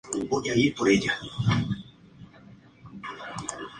La selección literaria de autores hispánicos residente en Canadá.